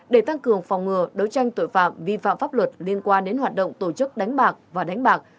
để tăng cường phòng ngừa đấu tranh tội phạm vi phạm pháp luật liên quan đến hoạt động tổ chức đánh bạc và đánh bạc